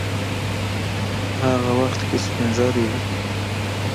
په هغه وخت کې سپین ږیری وو.